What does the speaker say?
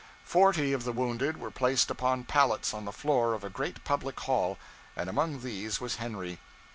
Forty of the wounded were placed upon pallets on the floor of a great public hall, and among these was Henry.